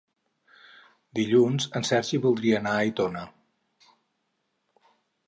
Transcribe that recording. Dilluns en Sergi voldria anar a Aitona.